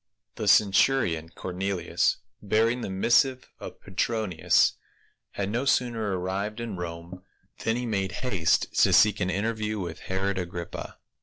THE centurion Cornelius, bearing the missive of Petronius, had no sooner arrived in Rome than he made haste to seek an interview with Herod Agrippa.